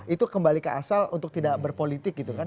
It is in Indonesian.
itu kembali ke asal untuk tidak berpolitik gitu kan